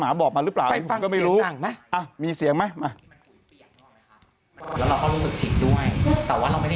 หมาบอกมาหรือเปล่าก็ไม่รู้ไปฟังเสียงหนังนะ